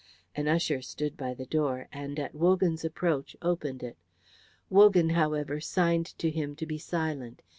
An usher stood by the door, and at Wogan's approach opened it. Wogan, however, signed to him to be silent.